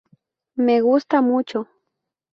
Me gusta mucho".